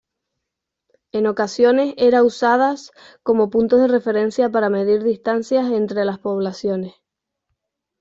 En ocasiones era usadas como puntos de referencia para medir distancias entre las poblaciones.